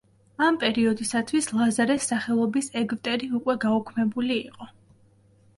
ამ პერიოდისათვის ლაზარეს სახელობის ეგვტერი უკვე გაუქმებული იყო.